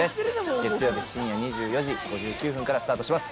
月曜日深夜２４時５９分からスタートします